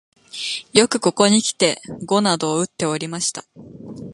よくここにきて碁などをうっておりました